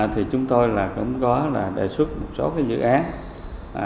thì chúng tôi cũng có đề xuất một số dự án